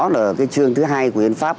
là cái chương thứ hai của hiến pháp